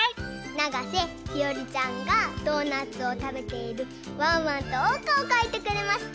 ながせひよりちゃんがドーナツをたべているワンワンとおうかをかいてくれました。